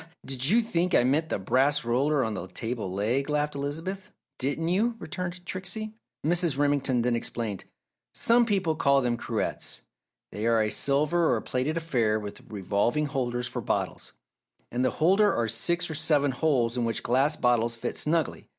"Ha, ha! Did you think I meant the brass roller on the table leg?" laughed Elizabeth. "Didn't you?" returned Trixie. Mrs. Remington then explained. "Some people call them cruets. They are a silver, or plated affair, with revolving holders for bottles. In the holder are six or seven holes in which glass bottles fit snugly.